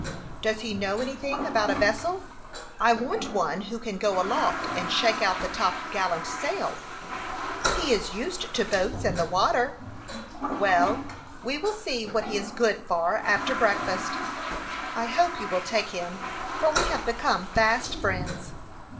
"Does he know anything about a vessel? I want one who can go aloft, and shake out the top gallant sail." "He is used to boats and the water." "Well, we will see what he is good for, after breakfast." "I hope you will take him, for we have become fast friends."